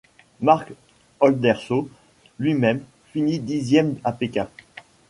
Mark Oldershaw, lui-même, finit dixième à Pékin.